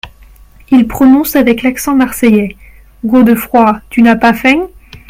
Il prononce avec l’accent marseillais. "Godefroid, tu n’as pas faim ?